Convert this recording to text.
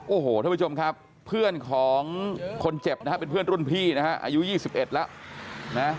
โอ้โหท่านผู้ชมครับเพื่อนของคนเจ็บนะฮะเป็นเพื่อนรุ่นพี่นะฮะอายุ๒๑แล้วนะ